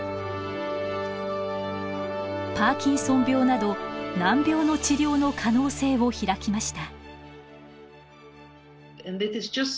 パーキンソン病など難病の治療の可能性を開きました。